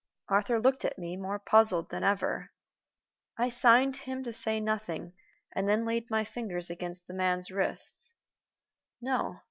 Arthur looked at me more puzzled than ever. I signed to him to say nothing, and then laid my fingers again on the man's wrist. No.